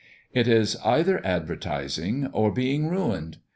It is either advertising or being ruined.